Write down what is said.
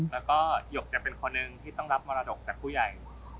แล้วก็หยกจะเป็นคนหนึ่งที่ต้องรับมรดกจากผู้ใหญ่